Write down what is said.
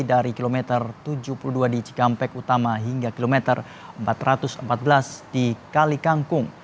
dari kilometer tujuh puluh dua di cikampek utama hingga kilometer empat ratus empat belas di kalikangkung